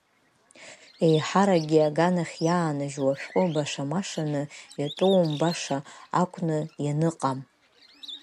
Еиҳаракгьы аганахь иааныжьу ашәҟәы баша-машаны, иатәоумбаша акәны ианыҟам.